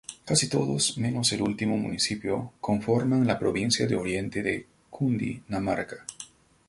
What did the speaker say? Casi todos, menos el último municipio, conforman la Provincia de Oriente de Cundinamarca.